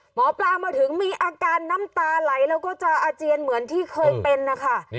หมอปลามาถึงมีอาการน้ำตาไหลแล้วก็จะอาเจียนเหมือนที่เคยเป็นนะคะ